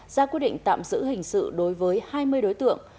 ra quyết định tạm giữ hình sự đối với hai mươi đối tượng